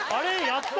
やった？